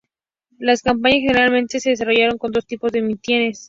Las campañas generalmente, se desarrollaron con dos tipos de mítines.